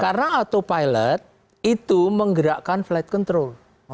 karena autopilot itu menggerakkan flight control